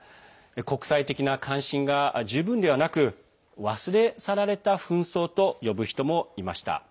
国際的な関心が十分ではなく忘れ去られた紛争と呼ぶ人もいました。